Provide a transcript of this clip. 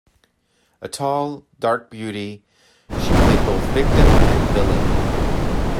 A tall, dark beauty, she played both victim and villain.